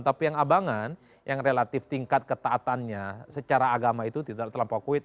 tapi yang abangan yang relatif tingkat ketaatannya secara agama itu tidak terlampau kuid